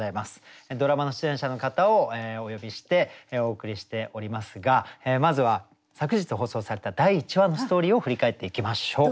ドラマの出演者の方をお呼びしてお送りしておりますがまずは昨日放送された第１話のストーリーを振り返っていきましょう。